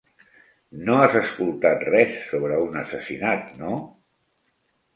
No has escoltat res sobre un assassinat, no?